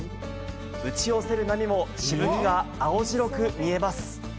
打ち寄せる波も飛沫が青白く見えます。